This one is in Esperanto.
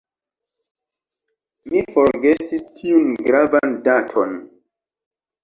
Mi forgesis tiun gravan daton.